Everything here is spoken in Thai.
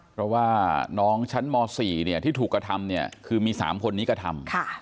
เพราะว่าน้องชั้นม๔ที่ถูกกระทำเนี่ยคือมี๓คนนี้กระทำ